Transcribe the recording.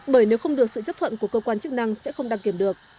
bởi nếu không được sự chấp thuận của cơ quan chức năng sẽ không đăng kiểm được